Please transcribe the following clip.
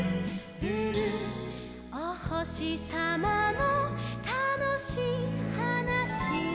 「おほしさまのたのしいはなし」